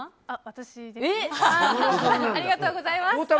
ありがとうございます！